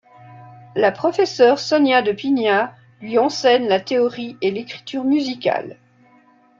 La professeur Sonia de Piña lui enseigne la théorie et l'écriture musicale.